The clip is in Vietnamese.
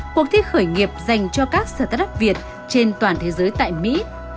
cuộc thi khởi nghiệp dành cho các startup việt trên toàn thế giới tại mỹ